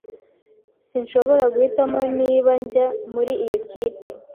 Sinshobora guhitamo niba njya muri iyo kipe.